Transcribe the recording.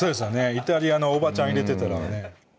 イタリアのおばちゃん入れてたらね